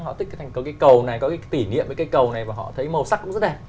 họ thích có cái cầu này có cái tỉ niệm với cái cầu này và họ thấy màu sắc cũng rất đẹp